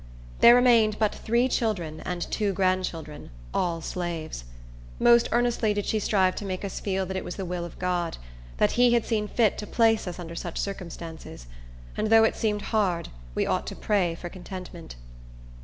There remained but three children and two grandchildren, all slaves. Most earnestly did she strive to make us feel that it was the will of God: that He had seen fit to place us under such circumstances; and though it seemed hard, we ought to pray for contentment.